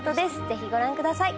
ぜひご覧ください。